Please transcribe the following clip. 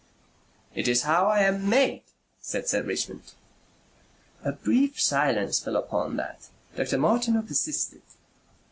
"It is how I am made," said Sir Richmond. A brief silence fell upon that. Dr. Martineau persisted.